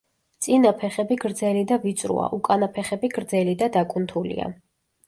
წინა ფეხები გრძელი და ვიწროა, უკანა ფეხები გრძელი და დაკუნთულია.